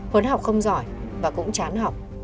huấn học không giỏi và cũng chán học